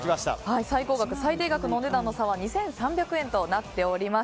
最高額、最低額のお値段の差は２３００円となっています。